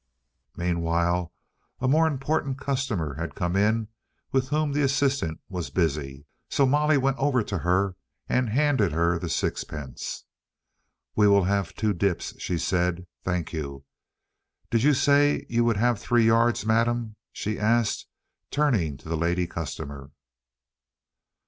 Meanwhile a more important customer had come in with whom the assistant was busy, so Molly went over to her and handed her the sixpence. "We will have two dips," she said. "Thank you. Did you say you would have three yards, madam?" she asked, turning to the lady customer.